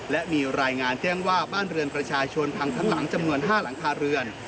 และมีรายงานแท่งว่าประชาชนภังทั้งหลังศาล๕หลังคาเรือน